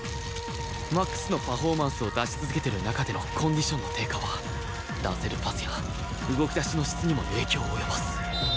マックスのパフォーマンスを出し続けてる中でのコンディションの低下は出せるパスや動き出しの質にも影響を及ぼす